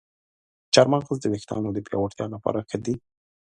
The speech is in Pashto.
چارمغز د ویښتانو د پیاوړتیا لپاره ښه دی.